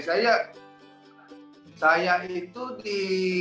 saya saya itu di